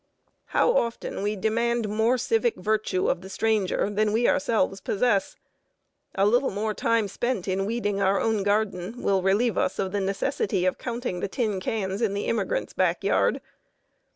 How often we demand more civic virtue of the stranger than we ourselves possess! A little more time spent in weeding our own garden will relieve us of the necessity of counting the tin cans in the immigrant's back yard.